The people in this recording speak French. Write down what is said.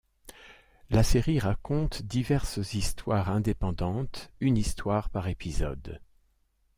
La série raconte diverses histoires indépendantes, une histoire par épisode.